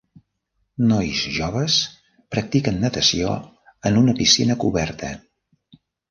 Nois joves practiquen natació en una piscina coberta.